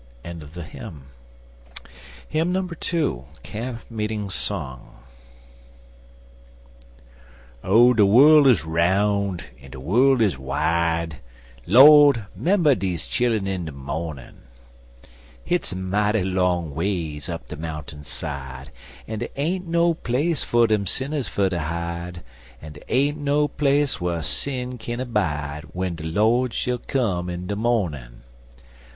II. CAMP MEETING SONG * OH, de worril is roun' en de worril is wide Lord! 'member deze chillun in de mornin' Hit's a mighty long ways up de mountain side, En dey ain't no place fer dem sinners fer ter hide, En dey ain't no place whar sin kin abide, W'en de Lord shill come in de mornin'!